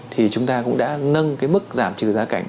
thì chúng ta cũng đã nâng cái mức giảm trừ giá cảnh